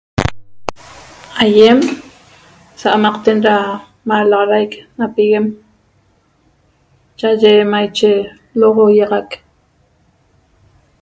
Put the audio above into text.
Aiem sa'amaqten ra malaxaraic na piguem cha'aye maiche lo'ogoiaxac